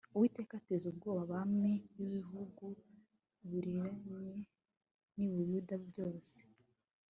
Uwiteka ateza ubwoba abami bibihugu bihereranye ni Buyuda byose